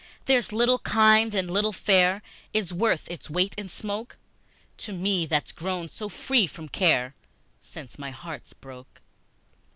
There's little kind and little fair Is worth its weight in smoke To me, that's grown so free from care Since my heart broke!